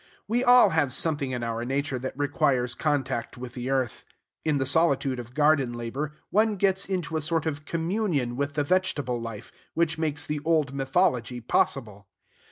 We all have something in our nature that requires contact with the earth. In the solitude of garden labor, one gets into a sort of communion with the vegetable life, which makes the old mythology possible.